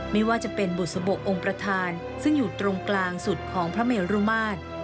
ไม่ว่าจะเป็นบุษบกองค์ประธานซึ่งอยู่ตรงกลางสุดของพระเมรุมาตร